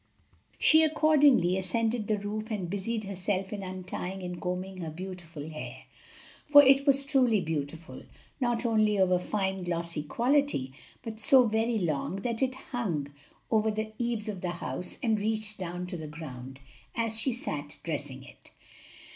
She accordingly ascended the roof and busied herself in untying and combing her beautiful hair; for it was truly beautiful, not only of a fine, glossy quality, but so very long that it hung over the eaves of the house and reached down to the ground, as she sat dressing it.